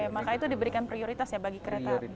maka itu diberikan prioritas ya bagi kereta api